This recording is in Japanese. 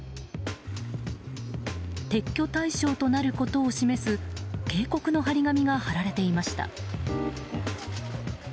撤去対象となることを示す警告の貼り紙が貼られていました。